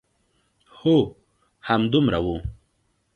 هو، همدومره و.